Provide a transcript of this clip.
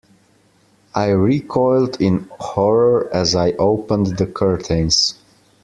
I recoiled in horror as I opened the curtains.